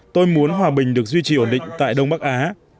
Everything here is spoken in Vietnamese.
tôi muốn hòa bình được duy trì ổn định tại đông bắc á